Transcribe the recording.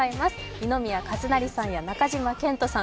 二宮和也さんや中島健人さん